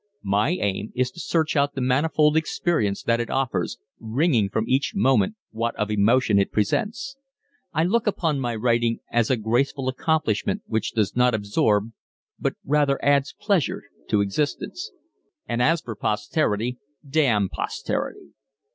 My aim is to search out the manifold experience that it offers, wringing from each moment what of emotion it presents. I look upon my writing as a graceful accomplishment which does not absorb but rather adds pleasure to existence. And as for posterity—damn posterity."